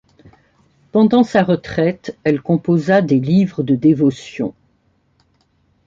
Pendant sa retraite, elle composa des livres de dévotions.